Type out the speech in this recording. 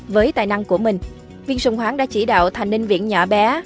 với tài năng của mình viên sùng hoáng đã chỉ đạo thành ninh viễn nhỏ bé